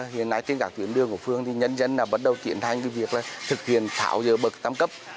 đường của phương thì nhân dân đã bắt đầu tiến hành việc thực hiện thảo dự bậc tăm cấp